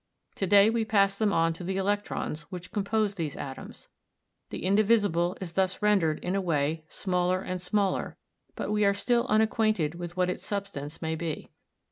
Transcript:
To day we pass them on to the electrons which compose these atoms. The indivisible is thus rendered, in a way, smaller and smaller, but we are still unacquainted with what its substance may be.